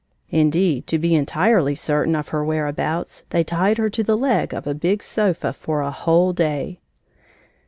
Indeed, to be entirely certain of her where abouts, they tied her to the leg of a big sofa for a whole day!